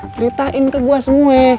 ceritain ke gue semua